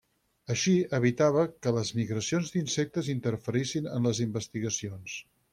Així evitava que les migracions d'insectes interferissin en les investigacions.